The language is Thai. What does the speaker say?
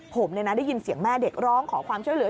ผมได้ยินเสียงแม่เด็กร้องขอความช่วยเหลือ